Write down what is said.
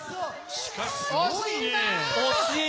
しかしすごいね。